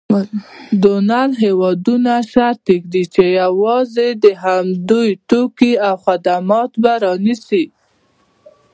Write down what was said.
ډونر هېوادونه شرط ږدي چې یوازې د همدوی توکي او خدمات به رانیسي.